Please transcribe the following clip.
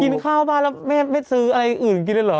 ข้าวบ้านแล้วแม่ไม่ซื้ออะไรอื่นกินเลยเหรอ